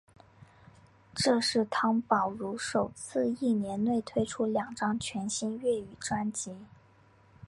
这是汤宝如首次一年内推出两张全新粤语专辑。